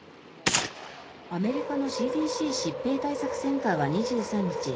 アメリカのＣＤＣ・疾病対策センターは２３日